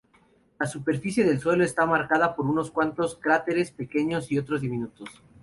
La superficie del suelo está marcada por unos cuantos cráteres pequeños y otros diminutos.